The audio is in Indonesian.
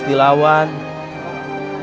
semuanya berada di tengah aluminium